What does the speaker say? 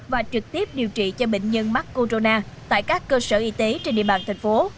và trực tiếp điều trị cho bệnh nhân mắc corona tại các cơ sở y tế trên địa bàn thành phố